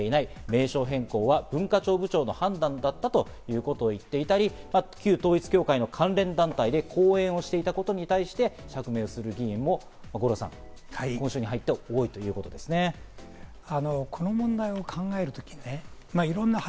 名称変更は文化相部長の判断だったということを言っていたり、旧統一教会の関連団体で講演をしていたことに対して釈明する議員も今週に入って多いということですね、五郎さん。